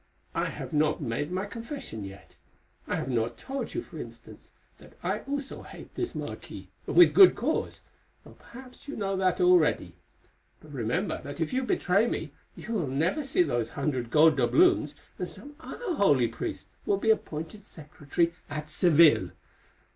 I have not made my confession yet; I have not told you, for instance, that I also hate this marquis, and with good cause—though perhaps you know that already. But remember that if you betray me, you will never see those hundred gold doubloons, and some other holy priest will be appointed secretary at Seville.